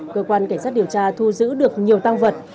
cơ quan cảnh sát điều tra thu giữ được nhiều tăng vật